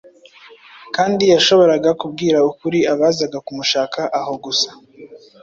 kandi yashoboraga kubwira ukuri abazaga kumushaka aho gusa.